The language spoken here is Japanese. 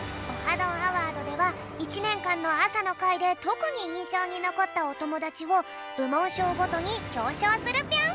どんアワード」では１ねんかんのあさのかいでとくにいんしょうにのこったおともだちをぶもんしょうごとにひょうしょうするぴょん。